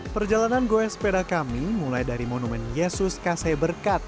perjalanan goyang sepeda kami mulai dari monumen yesus kaseberkat